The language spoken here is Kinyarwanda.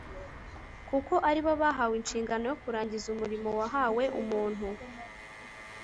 kuko ari bo bahawe inshingano yo kurangiza umurimo wahawe umuntu